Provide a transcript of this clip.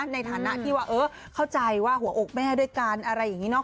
ในฐานะที่ว่าเออเข้าใจว่าหัวอกแม่ด้วยกันอะไรอย่างนี้เนอ